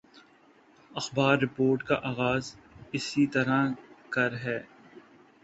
اخبار رپورٹ کا آغاز اس طرح کر ہے